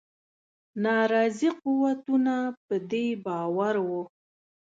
ناراضي قوتونه په دې باور وه.